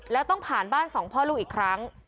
แล้วต้องผ่านบ้านสองพ่อลูกอีกครั้ง